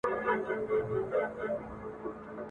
لاروي یې په علاج پوري حیران ول !.